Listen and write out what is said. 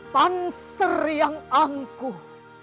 panser yang angkuh